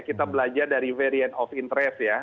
kita belajar dari varian off interest ya